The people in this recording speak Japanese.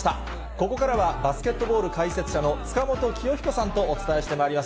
ここからはバスケットボール解説者の塚本清彦さんとお伝えしてまいります。